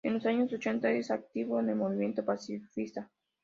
En los años ochenta es activo en el movimiento pacifista.